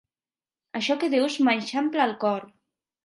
Això que dius m'eixampla el cor!